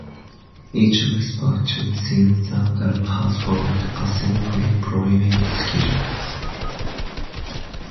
Each WestPac tour since that time has followed a similar employment schedule.